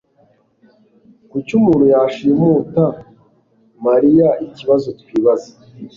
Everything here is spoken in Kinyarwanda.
Kuki umuntu yashimuta mariyaikibazo twibaza